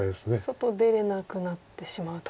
外出れなくなってしまうと。